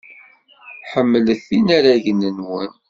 Ḥemmlet inaragen-nwen.